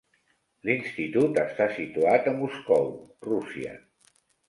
L"institut està situat a Moscou, Rússia.